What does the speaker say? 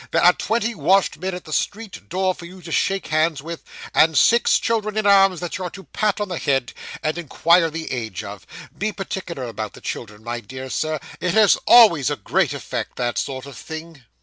There are twenty washed men at the street door for you to shake hands with; and six children in arms that you're to pat on the head, and inquire the age of; be particular about the children, my dear sir it has always a great effect, that sort of thing.